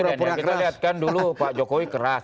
kita lihatkan dulu pak jokowi keras